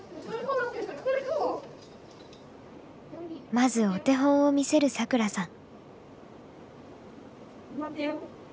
まずお手本を見せるサクラさん。